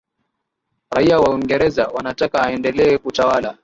raia wa uingerza wanataka aendelee kutawala